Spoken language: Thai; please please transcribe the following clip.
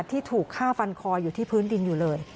ที่ถูกฆ่าฟันคออยู่ที่พื้นดินอยู่เลย